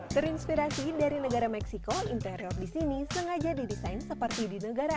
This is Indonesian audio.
terinspirasi dari negara meksiko interior di sini sengaja didesain seperti di negara